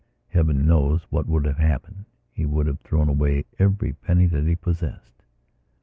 Heaven knows what would have happened; he would have thrown away every penny that he possessed.